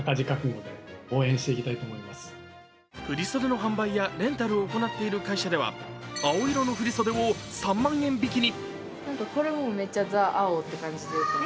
振り袖の販売やレンタルを行っている会社では青色の振り袖を３万円引きに。